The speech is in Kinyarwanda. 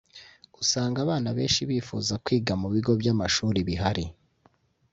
usanga abana benshi bifuza kwiga mu bigo by’amashuri bihari